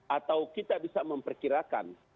atau kita bisa memperkirakan